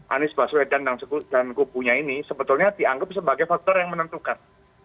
anies baswedan dan kubunya ini sebetulnya dianggap sebagai faktor yang menentukan